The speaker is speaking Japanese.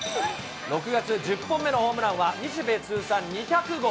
６月１０本目のホームランは、日米通算２００号。